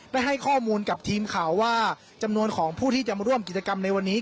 ได้ให้ข้อมูลกับทีมข่าวว่าจำนวนของผู้ที่จะมาร่วมกิจกรรมในวันนี้